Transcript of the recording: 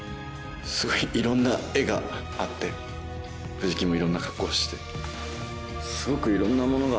すごいいろんな画があって藤木もいろんな格好して。と自分は思うので。